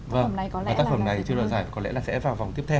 và tác phẩm này chưa đoạt giải có lẽ sẽ vào học tiếp theo